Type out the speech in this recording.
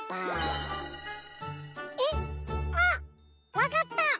わかった！